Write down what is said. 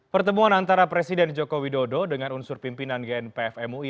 pertemuan antara presiden joko widodo dengan unsur pimpinan gnpf mui